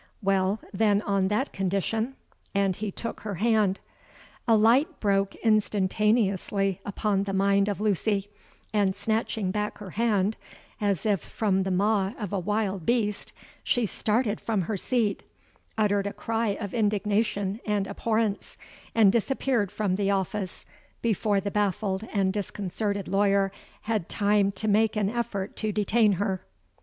Well, then on that condition'—and he took her hand.—A light broke instantaneously upon the mind of Lucy; and, snatching back her hand as if from the maw of a wild beast, she started from her seat, uttered a cry of indignation and abhorrence, and disappeared from the office before the baffled and disconcerted lawyer had time to make an effort to detain her.